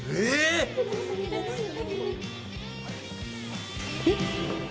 えっ？